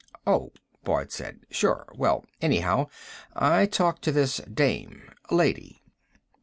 "Oh," Boyd said. "Sure. Well, anyhow, I talked to this dame. Lady."